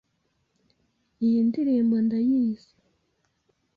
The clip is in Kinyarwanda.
Iyi ndirimbo ndayizi.